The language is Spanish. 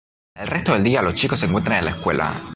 El resto del día los chicos se encuentran en la escuela.